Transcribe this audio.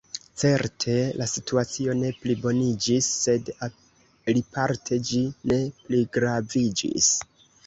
Certe la situacio ne pliboniĝis; sed aliparte ĝi ne pligraviĝis.